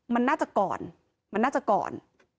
มันน่าจะก่อน